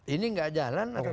ini gak jalan atau